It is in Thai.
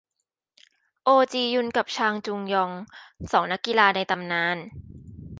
โอจียุนกับชางจุงยอง สองนักกีฬาในตำนาน